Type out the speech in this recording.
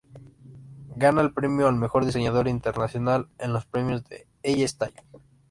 Gana el premio al Mejor Diseñador Internacional en los premios de Elle Style.